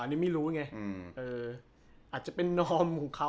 อันนี้ไม่รู้ไงอาจจะเป็นนอมของเขา